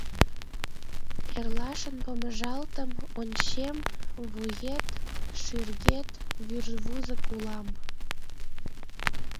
Эрлашын помыжалтым, ончем: вует, шӱргет вӱрвузык улам.